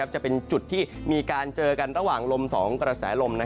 จะเป็นจุดที่มีการเจอกันระหว่างลม๒กระแสลม